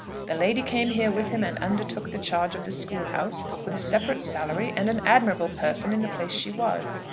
The lady came here with him and undertook the charge of the school house, with a separate salary; and an admirable person in the place she was.